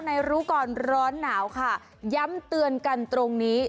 รู้ก่อนร้อนหนาวค่ะย้ำเตือนกันตรงนี้